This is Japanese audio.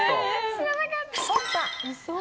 知らなかった。